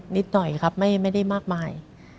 นิดหน่อยครับไม่ได้มากมาย